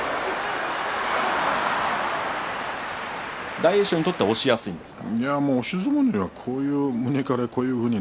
大栄翔にとっては押しやすいんですか？